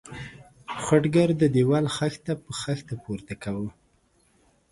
خټګر د دېوال خښته په خښته پورته کاوه.